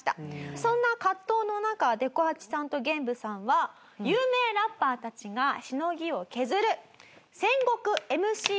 そんな葛藤の中でこ八さんとゲンブさんは有名ラッパーたちがしのぎを削る。